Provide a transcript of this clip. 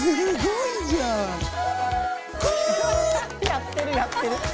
やってるやってる！